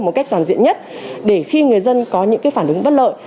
một cách toàn diện nhất để khi người dân có những phản ứng bất lợi